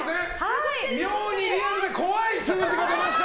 妙にリアルで怖い数字が出ました。